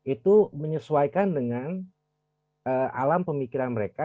itu menyesuaikan dengan alam pemikiran mereka